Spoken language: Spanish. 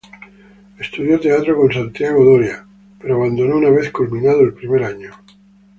Estudió teatro con Santiago Doria pero abandonó una vez culminado el primer año.